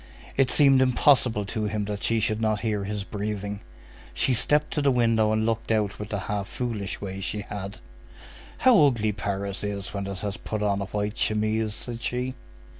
It seemed impossible to him that she should not hear his breathing. She stepped to the window and looked out with the half foolish way she had. "How ugly Paris is when it has put on a white chemise!" said she.